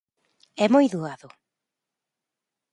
É moi doado.